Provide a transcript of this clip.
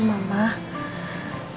mendingan aja ya mba